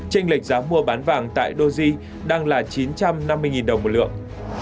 tranh lệch giá mua bán vàng tại doji đang là chín trăm năm mươi đồng một lượng